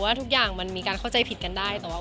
คุณตูน้องก็คิดว่าน้องมันจะดูด้วยหรือเปล่า